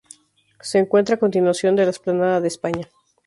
Se encuentra a continuación de la Explanada de España.